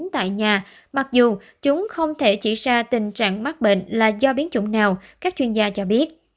tại nhà mặc dù chúng không thể chỉ ra tình trạng mắc bệnh là do biến chủng nào các chuyên gia cho biết